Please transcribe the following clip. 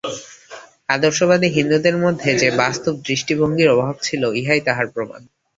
আদর্শবাদী হিন্দুদের মধ্যে যে বাস্তব দৃষ্টিভঙ্গীর অভাব ছিল, ইহাই তাহার প্রমাণ।